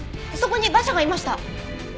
そこに馬車がいました！